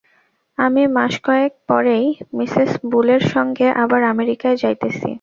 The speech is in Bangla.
আমি মাসকয়েক পরেই মিসেস বুলের সঙ্গে আবার আমেরিকায় যাইতেছি।